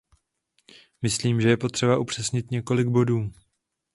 Myslím, že je potřeba upřesnit několik bodů.